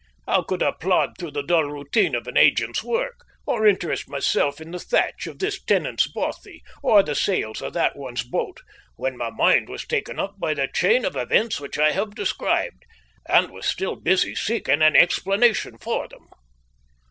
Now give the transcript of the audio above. How could I plod through the dull routine of an agent's work, or interest myself in the thatch of this tenant's bothy or the sails of that one's boat, when my mind was taken up by the chain of events which I have described, and was still busy seeking an explanation for them.